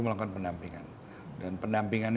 melakukan pendampingan dan pendampingan